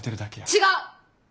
違う！